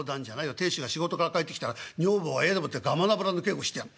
亭主が仕事から帰ってきたら女房は家でもってガマの油の稽古してやんの。